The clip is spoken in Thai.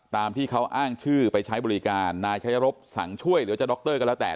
ตามที่เขาอ้างชื่อไปใช้บริการนายชายรบสั่งช่วยหรือจะดรก็แล้วแต่